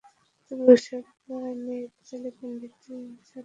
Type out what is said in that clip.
তবে উৎসব নিয়ে ইসলামি পণ্ডিতদের মাঝে অনেক বিতর্ক রয়েছে।